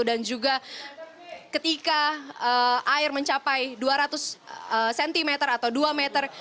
dan juga ketika air mencapai dua ratus cm atau dua meter